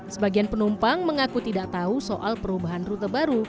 sebagian penumpang mengaku tidak tahu soal perubahan rute baru